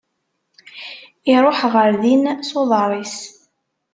Iruḥ ɣer din s uḍar-is.